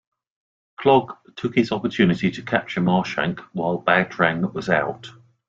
Clogg took his opportunity to capture Marshank while Badrang was out.